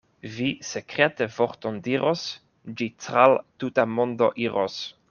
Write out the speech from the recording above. Vi sekrete vorton diros, ĝi tra l' tuta mondo iros.